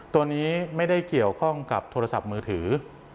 ตัวนี้ไม่ได้เกี่ยวข้องกับโทรศัพท์มือถือ